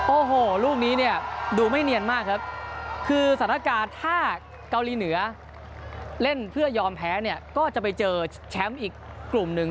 โอ้โหลูกนี้เนี่ยดูไม่เนียนมากครับคือสถานการณ์ถ้าเกาหลีเหนือเล่นเพื่อยอมแพ้เนี่ยก็จะไปเจอแชมป์อีกกลุ่มหนึ่ง